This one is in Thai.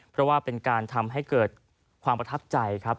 เพราะว่าเป็นการทำให้เกิดความประทับใจครับ